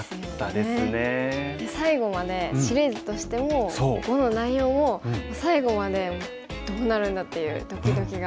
で最後までシリーズとしても碁の内容も最後までどうなるんだ？っていうドキドキが。